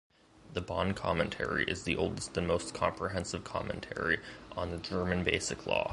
The Bonn Commentary is the oldest and most comprehensive commentary on the German Basic Law.